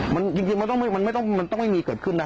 มันจริงมันต้องไม่มีเกิดขึ้นนะ